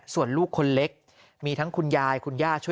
ส่วนลูกคนเล็กมีทั้งคุณยายคุณย่าช่วย